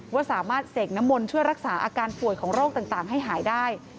ว่าสามารถเสกน้ำมนต์ช่วยรักษาอาการป่วยของโรคต่างให้หายได้